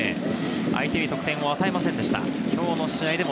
相手に得点を与えませんでした。